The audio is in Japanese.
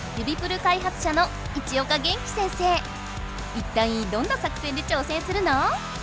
いったいどんな作戦で挑戦するの？